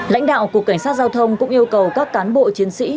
lãnh đạo cục cảnh sát giao thông cũng yêu cầu các cán bộ chiến sĩ